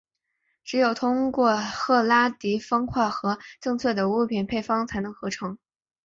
只有通过赫拉迪方块和正确的物品配方才能合成。